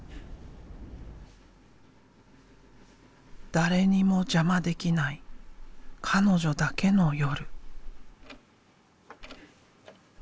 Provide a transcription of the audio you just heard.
誰にも邪魔できない彼女だけの夜。